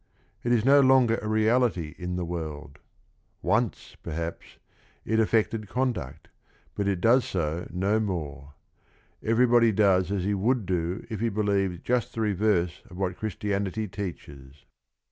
It is no longer a reality in the"wbrkil Once, perhaps, it affected conduct, but it does so no more. Everybody does as he would do if he believed just the reverse of what Christianity teaches.